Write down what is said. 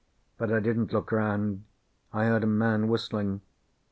But I didn't look round. I heard a man whistling.